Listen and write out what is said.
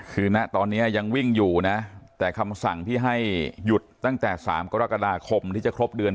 คือณตอนนี้ยังวิ่งอยู่นะแต่คำสั่งที่ให้หยุดตั้งแต่๓กรกฎาคมที่จะครบเดือน